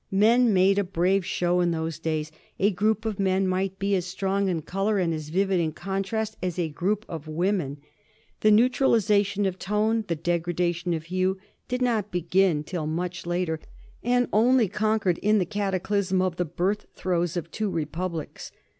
Men made a brave show in those days. A group of men might be as strong in color and as vivid in contrast as a group of women; the neutralization of tone, the degradation of hue, did not begin till much later, and only conquered in the cataclysm of the birth throes of two republics.